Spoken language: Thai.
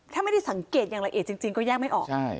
ถ้าไม่ได้สังเกตอย่างละเอียดจริงก็แยกไม่ออก